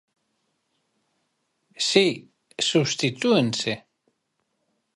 Si, substitúense.